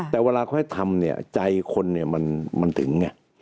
แต่เวลาเขาให้ทำเนี่ยใจคนเนี่ยมันถึงไง